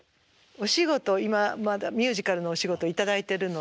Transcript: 今まだミュージカルのお仕事頂いてるので。